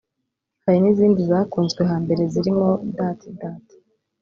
hari n’izindi zakunzwe hambere zirimo « Dat Dat »